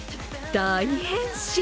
大変身。